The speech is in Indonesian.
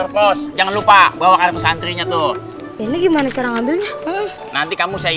bos jangan lupa bahwa santrinya tuh ini gimana cara ngambilnya nanti kamu saya